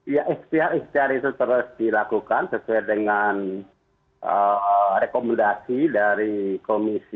ya istiar istiar itu terus dilakukan sesuai dengan rekomendasi dari komisi delapan